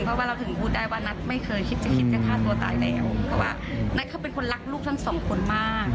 เพราะว่าเราถึงพูดได้ว่านัทไม่เคยคิดจะคิดจะฆ่าตัวตายแล้วเพราะว่านัทเขาเป็นคนรักลูกทั้งสองคนมาก